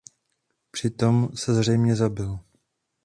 Při tom se zřejmě zabil.